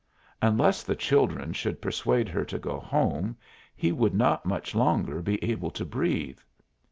Unless the children should persuade her to go home he would not much longer be able to breathe.